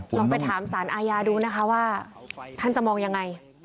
ลองไปถามสารอาญาดูนะคะว่าท่านจะมองยังไง